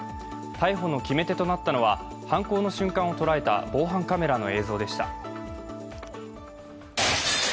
逮捕の決め手となったのは犯行の瞬間を捉えた防犯カメラの映像でした。